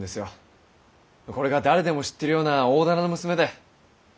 これが誰でも知ってるような大店の娘で。